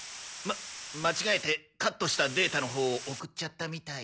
ま間違えてカットしたデータのほうを送っちゃったみたい。